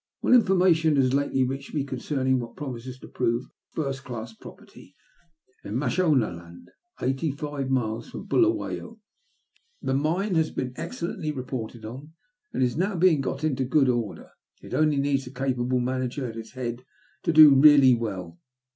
Well, information has lately reached me concerning what promises to prove a first class property in Mashonaland, eighty five miles from Buluwayo. The mine has been excellently reported on, and is now being got into good going order. It only needs a ca^ 998 THB LUST OF HATS. capable manager at its head to do really well.